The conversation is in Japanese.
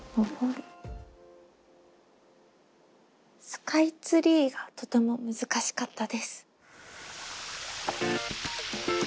「スカイツリー」がとても難しかったです。